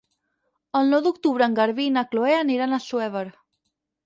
El nou d'octubre en Garbí i na Chloé aniran a Assuévar.